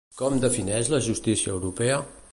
Com defineix la justícia europea?